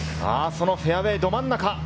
そのフェアウエー、ど真ん中。